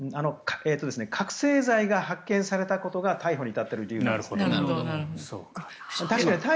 覚醒剤が発見されたことが逮捕に至ってる理由です。